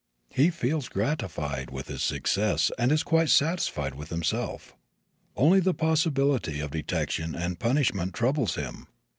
He feels gratified with his success and is quite satisfied with himself. Only the possibility of detection and punishment troubles him.